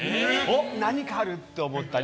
何かあるって思ったり。